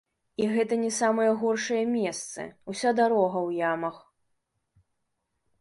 І гэта не самыя горшыя месцы, уся дарога ў ямах.